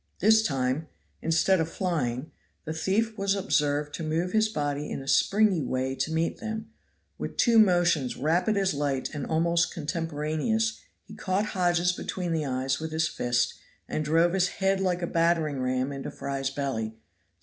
This time, instead of flying, the thief was observed to move his body in a springy way to meet them; with two motions rapid as light and almost contemporaneous, he caught Hodges between the eyes with his fist and drove his head like a battering ram into Fry's belly.